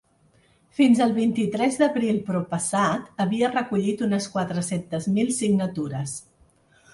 Fins al vint-i-tres d’abril proppassat, havia recollit unes quatre-cents mil signatures.